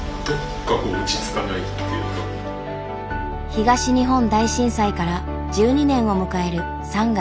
東日本大震災から１２年を迎える３月１１日。